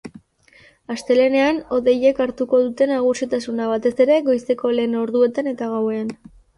Astelehenean hodeiek hartuko dute nagusitasuna, batez ere goizeko lehen orduetan eta gauean.